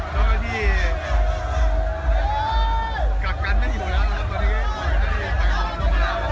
ทรีฟชื่อไฟ๑มากมาแล้วนะครับ